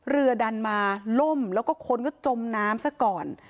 เรือดันมาล่มแล้วก็คนก็จมน้ำซะก่อน